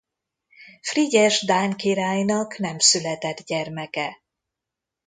Frigyes dán királynak nem született gyermeke.